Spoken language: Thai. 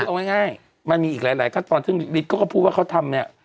เอาง่ายมันมีอีกหลายตอนที่ฤทธิ์ก็พูดว่าเขาทำเนี่ย